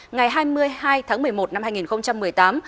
ngày hai mươi hai tháng một mươi một năm hai nghìn một mươi tám